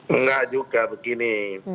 enggak juga begini